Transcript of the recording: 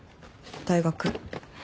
大学。